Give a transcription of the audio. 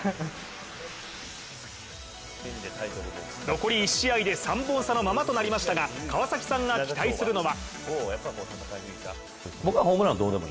残り１試合で３本差のままとなりましたが、川崎さんが期待するのは。